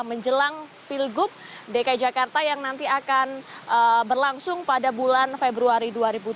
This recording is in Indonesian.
menjelang pilgub dki jakarta yang nanti akan berlangsung pada bulan februari dua ribu tujuh belas